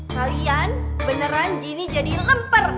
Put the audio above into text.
kalian beneran jinny jadi lemper